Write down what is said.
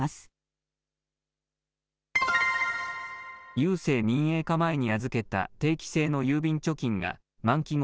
郵政民営化前に預けた定期性の郵便貯金が満期後